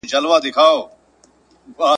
چړي پاچا سي پاچا ګدا سي !.